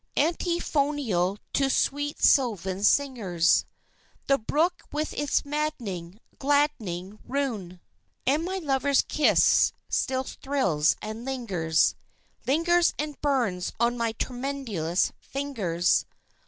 Antiphonal to sweet sylvan singers, The brook with its maddening, gladdening rune! And my lover's kiss still thrills and lingers, Lingers and burns on my tremulous fingers!